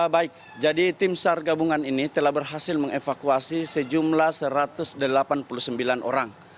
baik jadi tim sar gabungan ini telah berhasil mengevakuasi sejumlah satu ratus delapan puluh sembilan orang